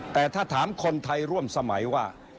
แต่ถ้าถามคนไทยร่วมสมัยว่า